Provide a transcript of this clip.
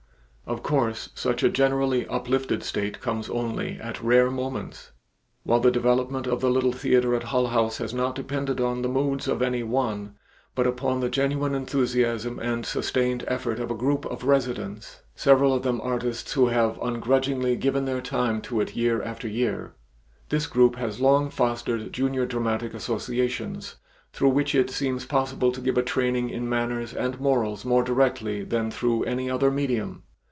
Of course such a generally uplifted state comes only at rare moments, while the development of the little theater at Hull House has not depended upon the moods of any one, but upon the genuine enthusiasm and sustained effort of a group of residents, several of them artists who have ungrudgingly given their time to it year after year. This group has long fostered junior dramatic associations, through which it seems possible to give a training in manners and morals more directly than through any other medium.